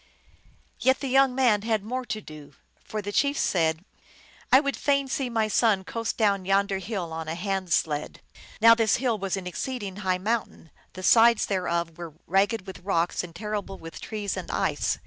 Yet the young man had more to do ; for the chief said, " I would fain see my son coast down yonder hill on a hand sled." Now this hill was an exceed ing high mountain ; the sides thereof were ragged with rocks and terrible with trees and ice.